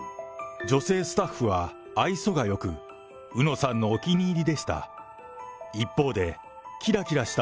女性スタッフは愛想がよく、うのさんのお気に入りでした。